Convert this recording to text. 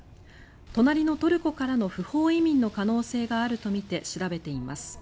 隣のトルコからの不法移民の可能性があるとみて調べています。